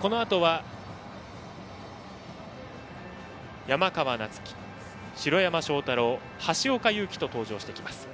このあとは、山川夏輝城山正太郎、橋岡優輝と登場してきます。